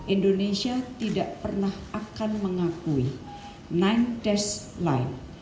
indonesia tidak pernah akan mengakui sembilan line